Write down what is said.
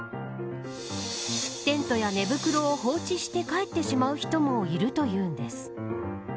テントや寝袋を放置して帰ってしまう人もいるというんです。